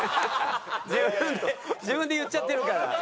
自分で自分で言っちゃってるから。